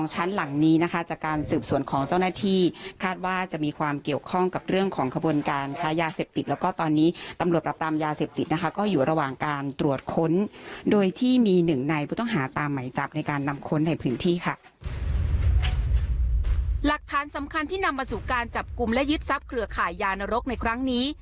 หลักฐานสำคัญที่นำมาสู่การจับกลุ่มและยึดทรัพย์เครือข่ายยานรกในครั้งนี้